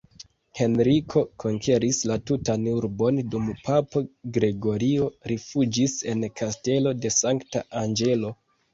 Henriko konkeris la tutan urbon dum papo Gregorio rifuĝis en Kastelo de Sankta Anĝelo.